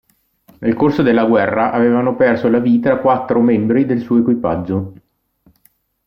Nel corso della guerra avevano perso la vita quattro membri del suo equipaggio.